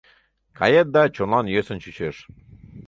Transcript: Кает да, чонлан йӧсын чучеш...